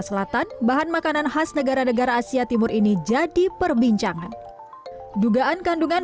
selatan bahan makanan khas negara negara asia timur ini jadi perbincangan dugaan kandungan